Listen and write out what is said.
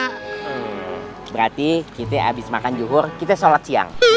hmm berarti kita habis makan zuhur kita sholat siang